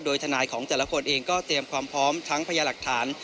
โดยทนายของแต่ละคนเองก็เตรียมความพร้อมทั้งพยาหลักฐาน